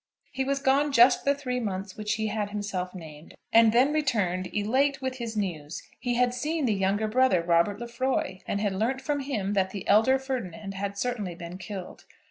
He was gone just the three months which he had himself named, and then returned elate with his news. He had seen the younger brother, Robert Lefroy, and had learnt from him that the elder Ferdinand had certainly been killed.